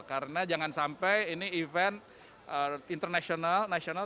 karena jangan sampai ini event internasional nasional